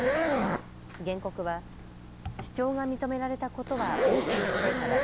原告は主張が認められたことは大きな成果だ。